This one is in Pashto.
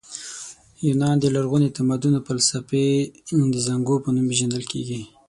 یونان د لرغوني تمدن او فلسفې د زانګو په نوم پېژندل کیږي.